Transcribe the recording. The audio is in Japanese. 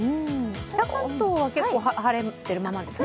北関東は晴れてるままですね。